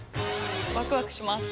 ワクワクします。